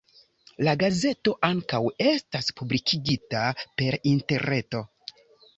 La gazeto ankaŭ estas publikigita per interreto.